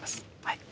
はい。